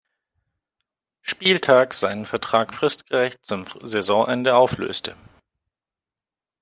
Spieltag seinen Vertrag fristgerecht zum Saisonende auflöste.